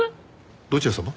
どちら様？